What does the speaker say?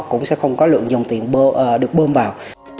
cũng sẽ không có lượng dòng tiền được bơm vào